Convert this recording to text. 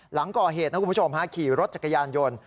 หลังก่อเหตุนะคุณผู้ชมขี่รถจักรยานยนต์